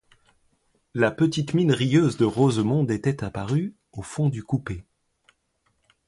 La petite mine rieuse de Rosemonde était apparue, au fond du coupé.